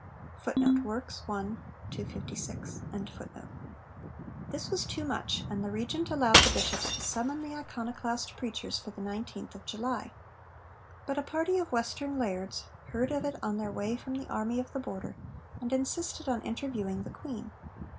' This was too much, and the Regent allowed the Bishops to summon the iconoclast preachers for the 19th of July. But a party of Western lairds heard of it on their way from the army of the Border, and insisted on interviewing the Queen.